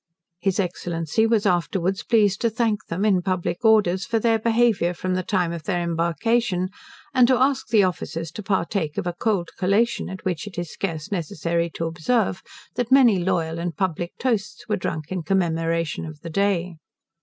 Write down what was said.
His Excellency was afterwards pleased to thank them, in public orders, for their behaviour from the time of their embarkation; and to ask the officers to partake of a cold collation at which it is scarce necessary to observe, that many loyal and public toasts were drank in commemoration of the day.